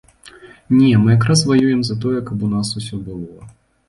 Не, мы якраз ваюем за тое, каб у нас усё было.